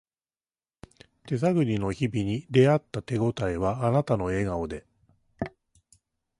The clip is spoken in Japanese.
手探りの日々に出会った手ごたえはあなたの笑顔で